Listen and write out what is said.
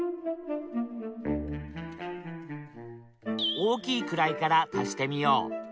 大きい位から足してみよう。